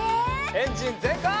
エンジンぜんかい！